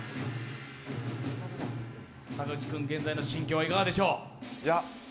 坂口君、現在の心境はいかがでしょう？